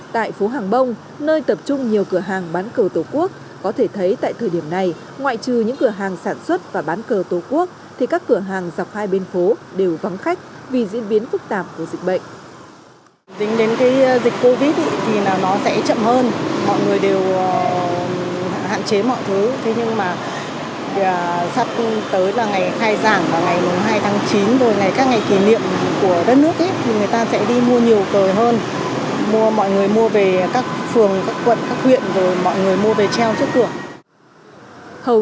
tại phố hàng bông nơi tập trung nhiều cửa hàng bán cờ tổ quốc có thể thấy tại thời điểm này ngoại trừ những cửa hàng sản xuất và bán cờ tổ quốc thì các cửa hàng dọc hai bên phố đều vắng khách vì diễn biến phức tạp của dịch bệnh